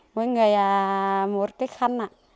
mỗi người một cái khăn